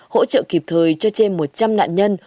hỗ trợ kịp thời cho trên một trăm linh nạn nhân